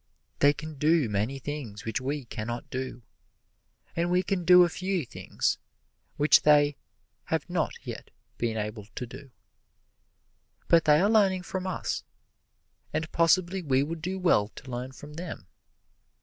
They can do many things which we can not do, and we can do a few things which they have not yet been able to do; but they are learning from us, and possibly we would do well to learn from them.